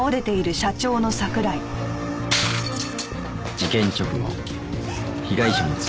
事件直後被害者の妻